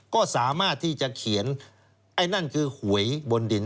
ก็สามารถที่จะเขียนไอ้นั่นคือหวยบนดิน